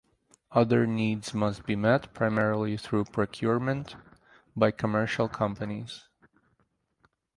Other needs must be met primarily through procurement by commercial companies.